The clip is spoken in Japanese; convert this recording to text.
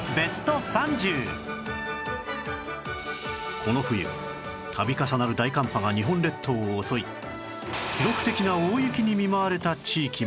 この冬度重なる大寒波が日本列島を襲い記録的な大雪に見舞われた地域も